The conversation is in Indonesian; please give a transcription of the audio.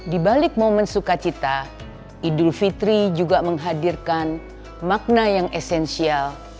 di balik momen sukacita idul fitri juga menghadirkan makna yang esensial